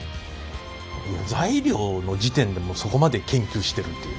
材料の時点でそこまで研究してるっていう。